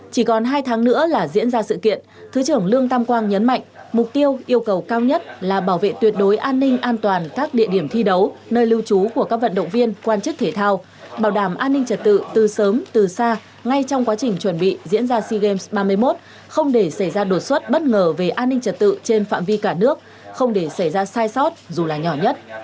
chỉ còn hai tháng nữa là diễn ra sự kiện thứ trưởng lương tam quang nhấn mạnh mục tiêu yêu cầu cao nhất là bảo vệ tuyệt đối an ninh an toàn các địa điểm thi đấu nơi lưu trú của các vận động viên quan chức thể thao bảo đảm an ninh trật tự từ sớm từ xa ngay trong quá trình chuẩn bị diễn ra s game ba mươi một không để xảy ra đột xuất bất ngờ về an ninh trật tự trên phạm vi cả nước không để xảy ra sai sót dù là nhỏ nhất